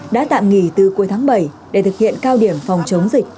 đã tạm nghỉ từ cuối tháng bảy để thực hiện cao điểm phòng chống dịch